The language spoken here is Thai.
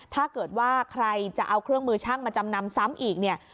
ถ้าเกิดว่าใครจะเอาเครื่องมือช่างมาจำนำซ้ำอีกเนี่ย